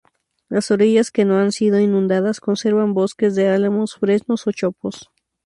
Las orillas que no han sido inundadas conservan bosques de álamos, fresnos o chopos.